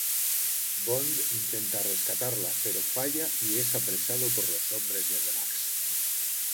Bond intenta rescatarla, pero falla y es apresado por los hombres de Drax.